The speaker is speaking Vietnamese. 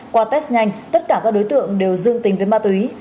qua test nhanh tất cả các đối tượng đều dương tính với ma túy